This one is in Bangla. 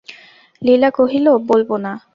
লীলা কহিল, বলব না।